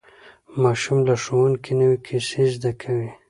ماشومان له ښوونکي نوې کیسې زده کوي